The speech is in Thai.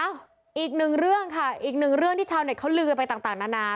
อีกหนึ่งเรื่องค่ะอีกหนึ่งเรื่องที่ชาวเน็ตเขาลือกันไปต่างนานา